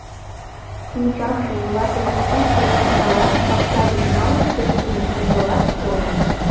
Пинчакше, йолашыже шӱкшӧ лустыралат, пакча гыч налын пуртымо чучыллат койыт.